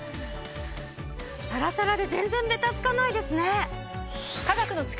サラサラで全然ベタつかないですね！